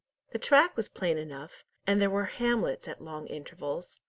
The track was plain enough, and there were hamlets at long intervals.